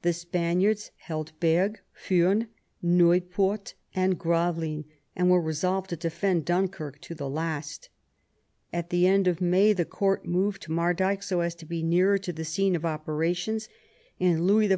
The Spaniards heldBergues, Furnes, Nieuport, andGravelines, and were resolved to defend Dunkirk to the last. At the end of May the court moved to Mardyke, so as to be nearer to the scene of operations, and Louis XIV.